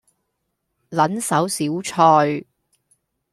撚手小菜